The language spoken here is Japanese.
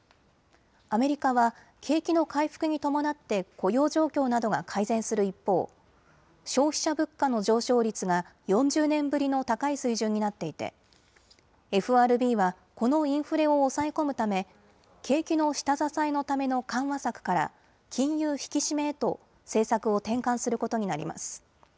アメリカは景気の回復に伴って雇用状況などが改善する一方消費者物価の上昇率が４０年ぶりの高い水準になっていてＦＲＢはこのインフレを抑え込むため景気の下支えのための緩和策から金融引き締めへと政策を転換することになります。